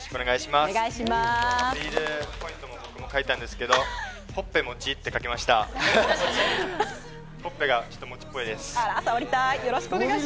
アピールポイント、僕も書いたんですけど、「ほっぺもち」って書きました。